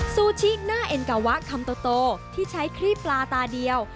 ซูชิหน้าเอ็นกาวะคำโตที่ใช้ครีบปลาตาเดียว